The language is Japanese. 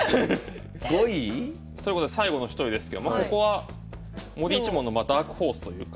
５位？ということで最後の１人ですけどここは森一門のダークホースというか。